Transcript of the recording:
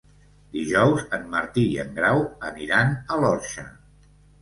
Dijous en Martí i en Grau aniran a l'Orxa.